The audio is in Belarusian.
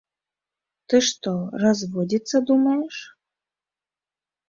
Ты што, разводзіцца думаеш?